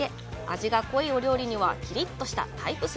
味が濃いお料理には、きりっとしたタイプ３。